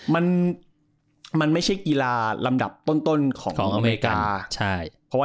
มันมันไม่ใช่กีฬาลำดับต้นของอเมริกา